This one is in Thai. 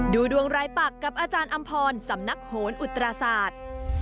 ดูดวงรายปักกับอาจารย์อำพรสำนักโหนอุตราศาสตร์